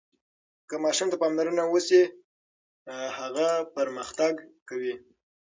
که ماشوم ته پاملرنه وشي، هغه پرمختګ کوي.